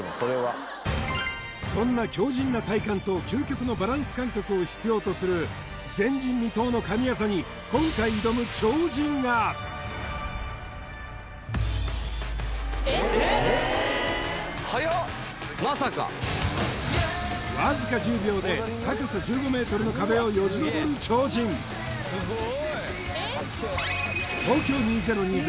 そんな強靱な体幹と究極のバランス感覚を必要とする前人未到の神業に今回挑む超人がわずか１０秒で高さ１５ｍの壁をよじのぼる超人東京２０２０